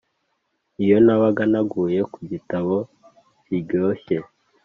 iyo nabaga naguye ku gitabo kiryoshye